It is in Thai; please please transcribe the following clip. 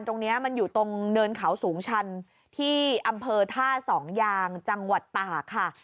ตรงนี้มันอยู่ตรงเนินเขาสูงชันที่อำเภอท่าสองยางจังหวัดตากค่ะ